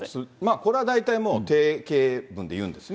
これは大体もう定型文で言うんですね。